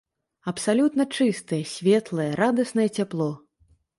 Абсалютна чыстае, светлае, радаснае цяпло.